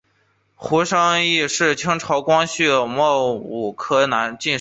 胡商彝是清朝光绪癸卯科进士。